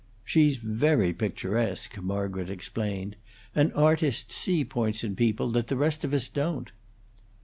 "She's very picturesque," Margaret explained. "And artists see points in people that the rest of us don't."